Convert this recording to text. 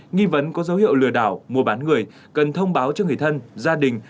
nghi vấn có dấu hiệu lừa đảo mua bán người cần thông báo cho người thân gia đình